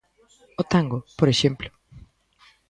O tango, por exemplo.